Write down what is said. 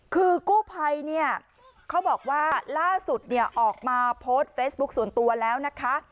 คือกู้ภัยเนี่ยเขาบอกว่าล่าสุดเนี่ยออกมาโพสต์เฟซบุ๊คส่วนตัวแล้วนะคะ